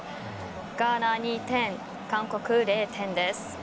ガーナ２点、韓国０点です。